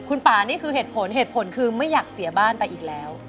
คุณป่านี่คือเหตุผลไม่อยากเสียบ้านไปอีกแล้ว